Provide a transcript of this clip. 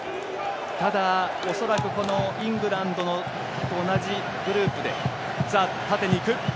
ただ、恐らくイングランドの同じグループで。